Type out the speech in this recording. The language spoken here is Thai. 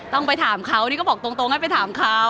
ต้องไปถามเขานี่ก็บอกตรงให้ไปถามเขา